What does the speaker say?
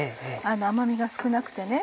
甘みが少なくてね。